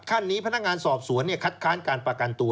ขั้นนี้พนักงานสอบสวนคัดค้านการประกันตัว